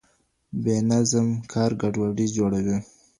بې نظم کار ګډوډي جوړوي.